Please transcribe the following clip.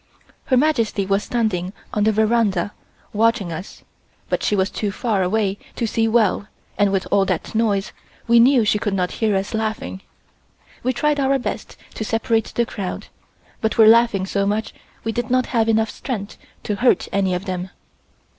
Her Majesty was standing on the veranda watching us but she was too far away to see well and with all that noise, we knew she could not hear us laughing. We tried our best to separate the crowd, but were laughing so much we did not have enough strength to hurt any of them.